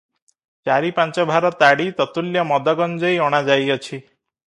ଚାରି ପାଞ୍ଚ ଭାର ତାଡ଼ି, ତତ୍ତୁଲ୍ୟ ମଦ ଗଞ୍ଜେଇ ଅଣା ଯାଇଅଛି ।